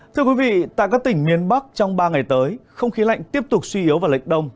thưa quý vị tại các tỉnh miền bắc trong ba ngày tới không khí lạnh tiếp tục suy yếu vào lệch đông